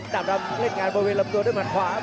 ดาบดำเล่นงานบนเวลาตัวด้วยหันขวา